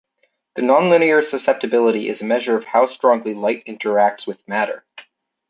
The nonlinear susceptibility is a measure of how strongly light interacts with matter.